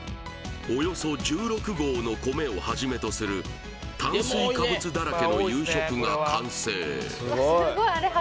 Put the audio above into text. およそ１６合の米をはじめとする炭水化物だらけの夕食が完成